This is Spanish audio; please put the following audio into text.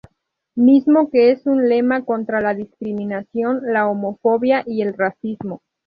Mismo que es un lema contra la discriminación, la homofobia y el racismo.